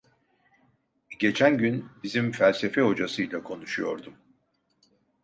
Geçen gün bizim felsefe hocasıyla konuşuyordum.